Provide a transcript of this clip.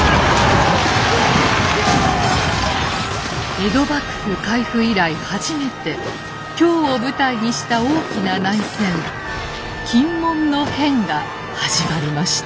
江戸幕府開府以来初めて京を舞台にした大きな内戦禁門の変が始まりました。